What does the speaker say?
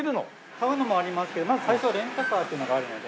買うのもありますけどまず最初はレンタカーというのがあるので。